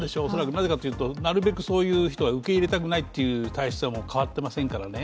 なぜかという、なるべくそういう火とは受け入れたくないという体質は変わってないですから。